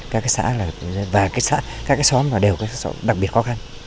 các xã và các xóm đều đặc biệt khó khăn